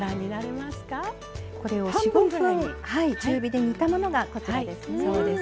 これを４５分中火で煮たものです。